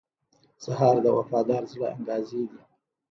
سهار د وفادار زړه انګازې دي.